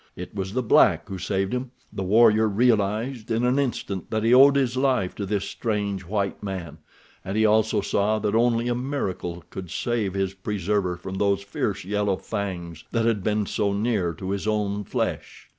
It was the black who saved him. The warrior realized in an instant that he owed his life to this strange white man, and he also saw that only a miracle could save his preserver from those fierce yellow fangs that had been so near to his own flesh.